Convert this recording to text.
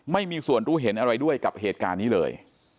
ไม่มีส่วนรู้เห็นอะไรด้วยกับเหตุการณ์นี้เลย